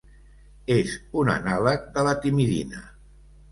És un anàleg de la timidina.